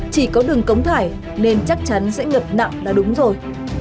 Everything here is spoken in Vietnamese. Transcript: chỉ có đường cống thải nên chắc chắn sẽ ngập nặng là đúng rồi